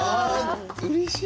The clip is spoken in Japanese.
うれしいね！